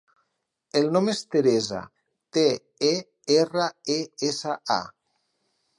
El nom és Teresa: te, e, erra, e, essa, a.